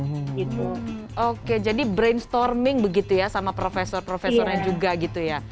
oke jadi brainstorming begitu ya sama profesor profesornya juga gitu ya